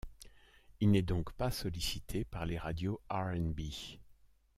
Il n'est donc pas sollicité par les radios R&B.